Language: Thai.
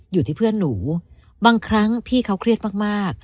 อยู่ที่เพื่อนหนูบางครั้งพี่เขาเครียดมาก